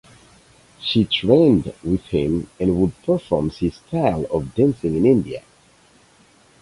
She trained with him and would perform his style of dancing in India.